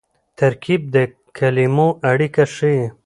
ترکیب د کلیمو اړیکه ښيي.